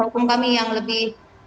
hukum kami yang lebih